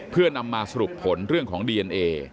เพื่อนำมาสรุปผลเรื่องของดีเอนเอ